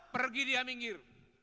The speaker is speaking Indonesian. pergi dia minggir